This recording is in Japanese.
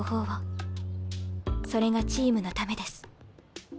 それがチームのためです。